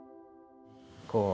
こう。